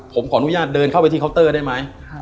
ผมขออนุญาตเดินเข้าไปที่เคาน์เตอร์ได้ไหม